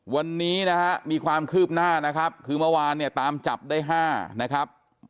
วันนี้มีความคืบหน้านะครับคือวันตามจับได้๕นะครับ